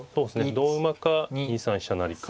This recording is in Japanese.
同馬か２三飛車成か。